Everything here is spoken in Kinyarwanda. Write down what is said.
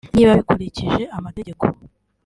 niba bikurikije amategeko